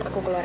aku keluar ya